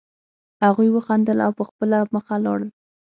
هغوی وخندل او په خپله مخه لاړل